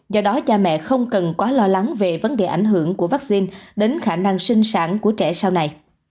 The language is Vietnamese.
do đó cha mẹ không cần quá lo lắng về vấn đề ảnh hưởng của vaccine đến khả năng sinh sản của trẻ sau này